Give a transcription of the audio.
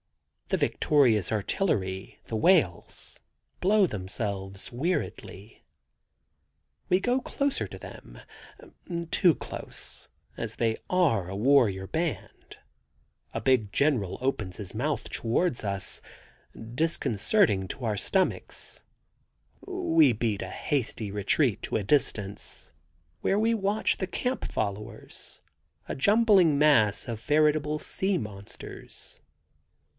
The victorious artillery, the whales, blow themselves, weariedly. We go closer to them—too close—as they are a warrior band. A big general opens his mouth towards us, disconcerting to our stomachs; we beat a hasty retreat to a safe distance, where we watch the camp followers, a jumbling mass of veritable sea monsters.